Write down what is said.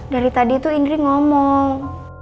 dari tadi itu indri ngomong